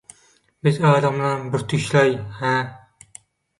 Biz adamlaram birtüýsl-aý hä?